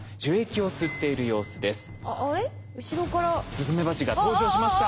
スズメバチが登場しました。